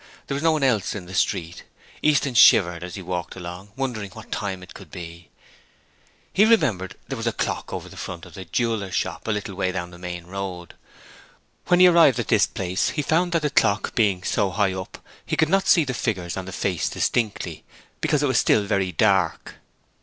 There was no one else in the street. Easton shivered as he walked along wondering what time it could be. He remembered there was a clock over the front of a jeweller's shop a little way down the main road. When he arrived at this place he found that the clock being so high up he could not see the figures on the face distinctly, because it was still very dark.